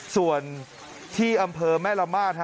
ส่วนที่อำเภอแม่ละมาด